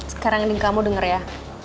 sekarang kamu denger ya